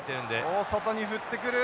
大外に振ってくる。